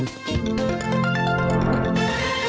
สวัสดีค่ะ